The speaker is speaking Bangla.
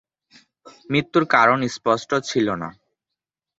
মৃত্যুর কারণ স্পষ্ট ছিল না।